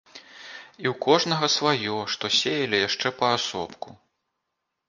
І ў кожнага сваё, што сеялі яшчэ паасобку.